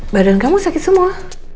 badan kamu sakit semua